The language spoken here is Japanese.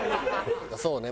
そうね。